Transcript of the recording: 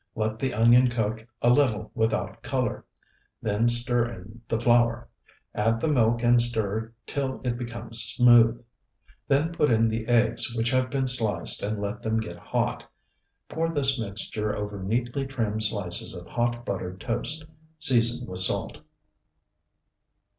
Let the onion cook a little without color, then stir in the flour. Add the milk and stir till it becomes smooth. Then put in the eggs which have been sliced and let them get hot. Pour this mixture over neatly trimmed slices of hot, buttered toast. Season with salt.